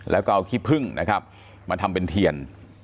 แล้วก็เอาขี้พึ่งนะครับมาทำเป็นเทียน